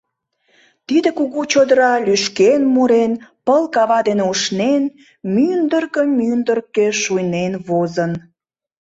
Тиде кугу чодыра лӱшкен-мурен, пыл-кава дене ушнен, мӱндыркӧ-мӱндыркӧ шуйнен возын.